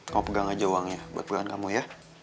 kamu pegang aja uangnya buat pegangan kamu ya